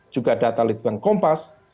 juga data litbang kompas